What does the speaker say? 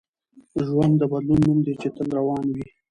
ژوند د بدلون نوم دی چي تل روان وي.